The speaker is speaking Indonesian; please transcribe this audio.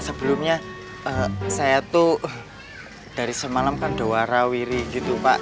sebelumnya saya tuh dari semalam kan dewara wiri gitu pak